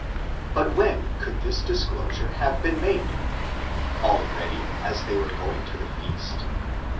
But when could this disclosure have been made? Already as they were going to the feast?